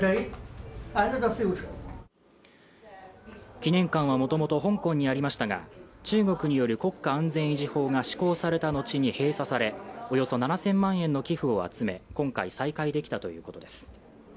記念館は元々香港にありましたが、中国による国家安全維持法が施行された後に閉鎖され、およそ７０００万円の寄付を集め、今回再開できたということです。